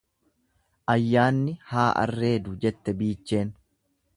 Ayyaanni haa arreedu jette biicheen.